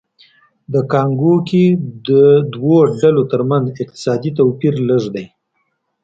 د کانګو کې د دوو ډلو ترمنځ اقتصادي توپیر لږ دی